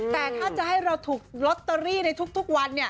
แต่ถ้าจะให้เราถูกลอตเตอรี่ในทุกวัน